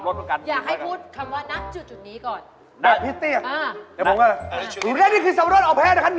หันมาค้อนนิดหนึ่งเบาะบุนบุหรือทำไมกวะเขาเห็นอย่างน้อย